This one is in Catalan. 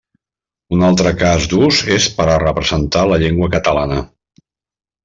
Un altre cas d'ús és per a representar la llengua catalana.